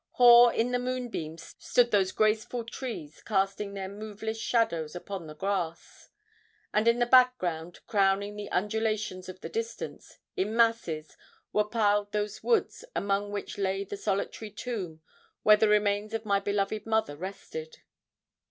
Hoar in the moonbeams stood those graceful trees casting their moveless shadows upon the grass, and in the background crowning the undulations of the distance, in masses, were piled those woods among which lay the solitary tomb where the remains of my beloved mother rested.